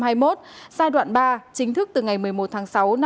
giai đoạn ba chính thức từ ngày một mươi một tháng sáu năm hai nghìn hai mươi